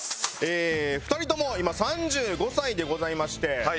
２人とも今３５歳でございまして。